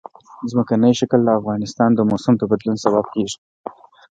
ځمکنی شکل د افغانستان د موسم د بدلون سبب کېږي.